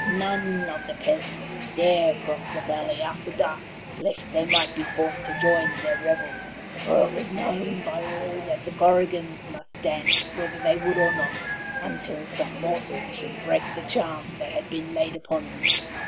None of the peasants dare cross the valley after dark, lest they might be forced to join their revels; for it was known by all that the Korrigans must dance whether they would or not, until some mortal should break the charm that had been laid upon them.